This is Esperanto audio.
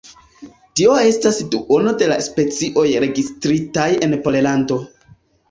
Tio estas duono de la specioj registritaj en Pollando.